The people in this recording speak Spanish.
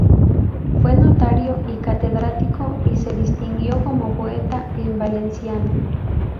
Fue notario y catedrático y se distinguió como poeta en valenciano.